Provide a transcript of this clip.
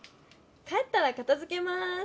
帰ったらかたづけます。